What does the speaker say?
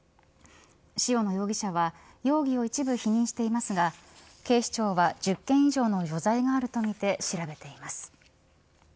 塩野容疑者は容疑を一部否認していますが警視庁は１０件以上の余罪があるとみて調べています。